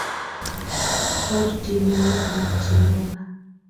Ortinwekab Jehovah.